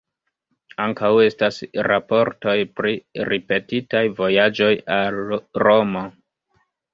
Ankaŭ estas raportoj pri ripetitaj vojaĝoj al Romo.